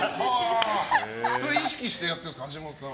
それ意識してやってるんですか橋本さんは。